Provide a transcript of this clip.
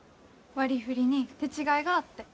割りふりに手違いがあって。